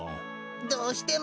どうしても？